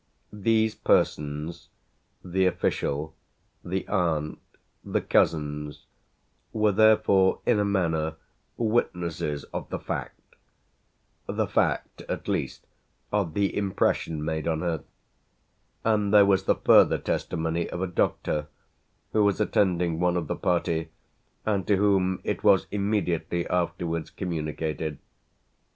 These persons, the official, the aunt, the cousins were therefore in a manner witnesses of the fact the fact at least of the impression made on her; and there was the further testimony of a doctor who was attending one of the party and to whom it was immediately afterwards communicated.